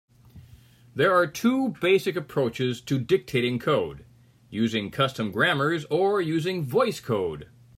There are two basic approaches to dictating code: using custom grammars or using VoiceCode.